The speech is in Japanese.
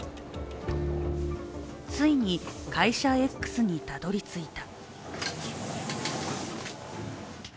ついに会社Ｘにたどりついた。